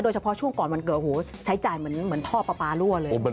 โดยเฉพาะช่วงก่อนมันเกิดโอ้โฮใช้จ่ายเหมือนพ่อป๊ารั่วเลย